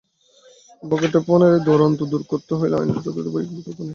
বখাটেপনার এই দৌরাত্ম্য দূর করতে হলে আইনের যথাযথ প্রয়োগের বিকল্প নেই।